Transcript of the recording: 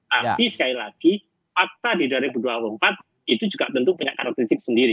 tapi sekali lagi fakta di dua ribu dua puluh empat itu juga tentu punya karakteristik sendiri